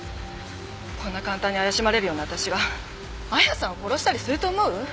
こんな簡単に怪しまれるようなわたしが亜矢さんを殺したりすると思う？